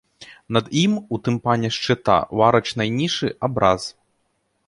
Над ім у тымпане шчыта ў арачнай нішы абраз.